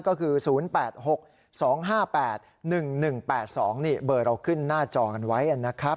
ก็คือ๐๘๖๒๕๘๑๑๘๒นี่เบอร์เราขึ้นหน้าจอกันไว้นะครับ